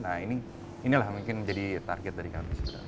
nah inilah mungkin jadi target dari kami